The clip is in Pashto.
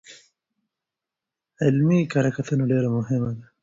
علمي کره کتنه ډېره مهمه ده.